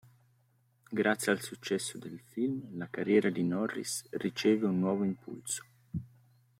Grazie al successo del film, la carriera di Norris riceve un nuovo impulso.